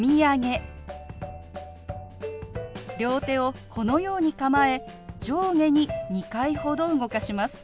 両手をこのように構え上下に２回ほど動かします。